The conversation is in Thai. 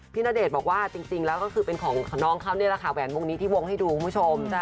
พี่นาเดชบอกว่าจริงแล้วก็คือเป็นของน้องเขาเนี่ยแหวนวงนี้ที่วงให้ดูคุณผู้ชม